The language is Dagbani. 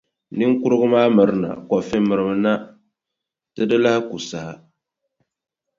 Niŋkurugu maa mirina. Kofi mirimina, ti di lahi ku saha.